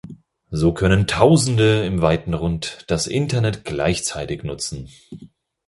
So können Tausende im weiten Rund das Internet gleichzeitig nutzen.